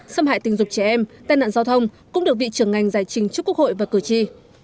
xâm hại tình dục trẻ em tai nạn giao thông cũng được vị trưởng ngành giải trình trước quốc hội và cử tri